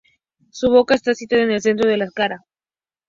Su boca está situada en el centro de la cara.